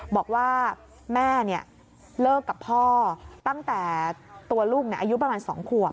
บอกว่าแม่เลิกกับพ่อตั้งแต่ตัวลูกอายุประมาณ๒ขวบ